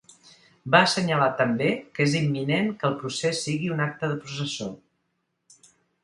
Va assenyalar també que és imminent que el procés sigui un acte de processó.